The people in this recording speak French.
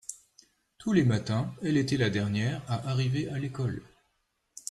tous les matins elle était la dernière à arriver à l'école.